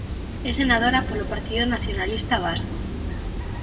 É senadora polo Partido Nacionalista Vasco.